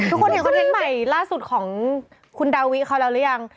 คนเห็นคอนเทนต์ใหม่ล่าสุดของคุณดาวิเขาแล้วหรือยัง